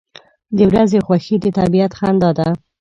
• د ورځې خوښي د طبیعت خندا ده.